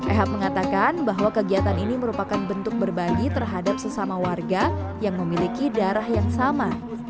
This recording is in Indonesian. ehab mengatakan bahwa kegiatan ini merupakan bentuk berbagi terhadap sesama warga yang memiliki darah yang sama